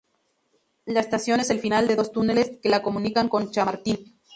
La estación es el final de dos túneles que la comunican con Chamartín.